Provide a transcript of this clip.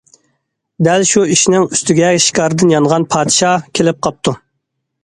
دەل شۇ ئىشنىڭ ئۈستىگە شىكاردىن يانغان پادىشاھ كېلىپ قاپتۇ.